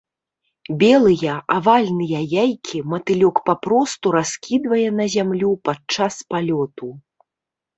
Белыя, авальныя яйкі матылёк папросту раскідвае на зямлю падчас палёту.